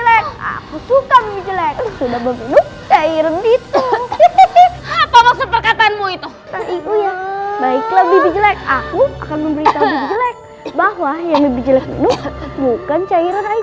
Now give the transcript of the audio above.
aku suka minum cairan itu apa maksud perkataanmu itu aku akan memberitahu bahwa bukan cairan air